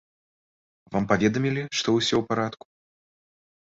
Вам паведамілі, што ўсё ў парадку?